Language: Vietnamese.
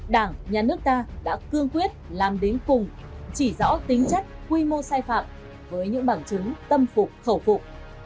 đảng nhà nước ta đã cương quyết làm đến cùng chỉ rõ tính chất quy mô sai phạm với những bằng chứng tâm phục khẩu phụ